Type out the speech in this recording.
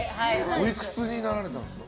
おいくつになられたんですか？